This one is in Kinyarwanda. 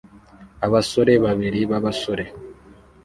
Abasore babiri b'abasore